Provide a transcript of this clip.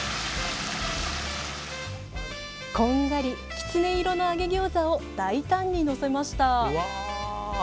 こんがりきつね色の揚げギョーザを大胆に載せました。